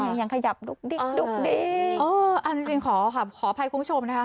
ยังขยับดุ๊กดิ๊กดุ๊กดิ๊กอ๋ออันจริงขอค่ะขออภัยคุณผู้ชมนะคะ